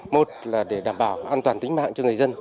một là để đảm bảo an toàn tính mạng cho người dân